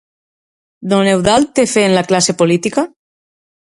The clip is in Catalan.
Don Eudald tenia fe en la classe política?